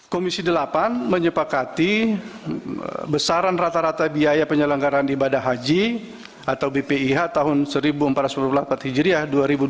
komisi delapan menyepakati besaran rata rata biaya penyelenggaran ibadah haji atau bpih tahun dua ribu empat belas dua ribu delapan belas hijriah